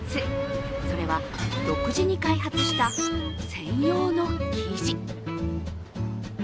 それは独自に開発した専用の生地。